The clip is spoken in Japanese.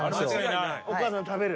お母さん食べる？